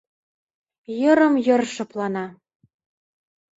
Йырым-йыр шыплана.